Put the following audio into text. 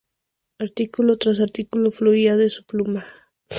Artículo tras artículo fluía de su pluma.